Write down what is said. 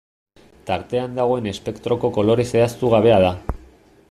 Tartean dagoen espektroko kolore zehaztu gabea da.